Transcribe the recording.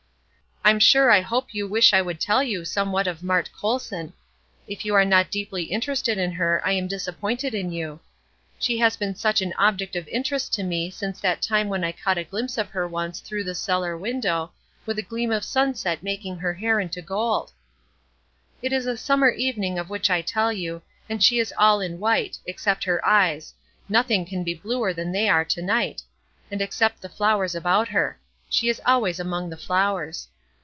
I'm sure I hope you wish I would tell you somewhat of Mart Colson. If you are not deeply interested in her I am disappointed in you. She has been such an object of interest to me since that time when I caught a glimpse of her once through the cellar window, with a gleam of sunset making her hair into gold. It is a summer evening of which I tell you, and she is all in white except her eyes; nothing can be bluer than they are to night, and except the flowers about her. She is always among the flowers.